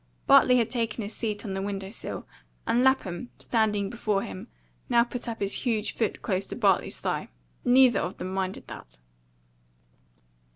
Bartley had taken his seat on the window sill, and Lapham, standing before him, now put up his huge foot close to Bartley's thigh; neither of them minded that.